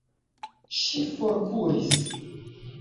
Ŝi forkuris.